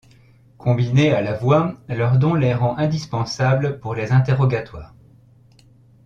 Combiné à La Voix, leur don les rend indispensables pour les interrogatoires.